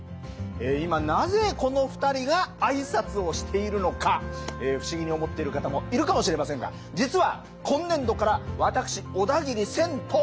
今なぜこの２人が挨拶をしているのか不思議に思っている方もいるかもしれませんが実は今年度から私小田切千と。